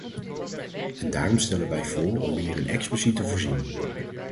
En daarom stellen wij voor om hierin expliciet te voorzien.